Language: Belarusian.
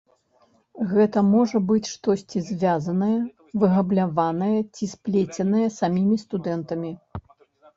Гэта можа быць штосьці звязанае, выгабляванае ці сплеценае самімі студэнтамі.